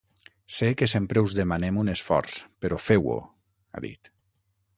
Sé que sempre us demanem un esforç, però feu-ho, ha dit.